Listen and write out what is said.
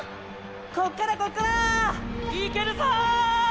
こっからこっから！いけるぞ！